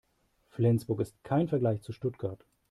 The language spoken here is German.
Flensburg ist kein Vergleich zu Stuttgart